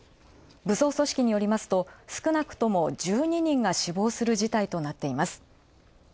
武装組織によると少なくとも１２人が死亡する事態となっています。